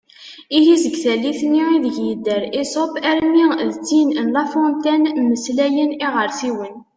Ihi seg tallit-nni ideg yedder Esope armi d tin n La Fontaine “mmeslayen iɣersiwen”.